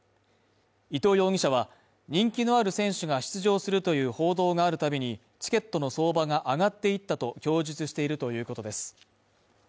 伊藤容疑者は、人気のある選手が出場するという報道があるたびに、チケットの相場が上がっていったと供述しているということです。